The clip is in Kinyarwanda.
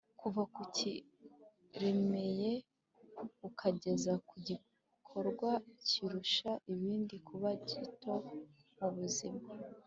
kuva ku kiremereye ukageza ku gikorwa kirusha ibindi kuba gito mu buzima